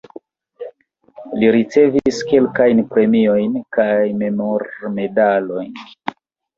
Li ricevis kelkajn premiojn kaj memormedalojn.